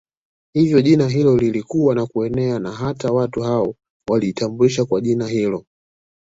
Hivyo jina hilo likakua na kuenea na hata watu hao walijitambulisha kwa jina hilo